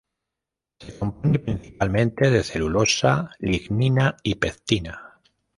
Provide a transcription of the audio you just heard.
Se compone principalmente de celulosa, lignina y pectina.